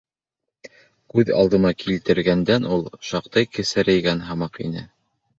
Күҙ алдыма килтергәндән ул шаҡтай кесерәйгән һымаҡ ине.